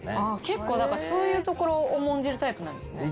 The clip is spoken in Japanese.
結構そういうところを重んじるタイプなんですね。